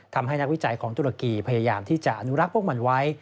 นักวิจัยของตุรกีพยายามที่จะอนุรักษ์พวกมันไว้